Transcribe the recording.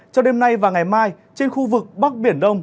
cho đêm nay và ngày mai trên khu vực bắc biển đông